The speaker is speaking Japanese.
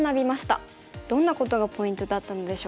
どんなことがポイントだったのでしょうか。